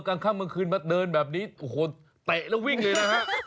กลางค่ำกลางคืนมาเดินแบบนี้โอ้โหเตะแล้ววิ่งเลยนะฮะ